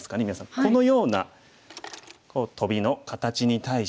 このようなトビの形に対してノゾキ。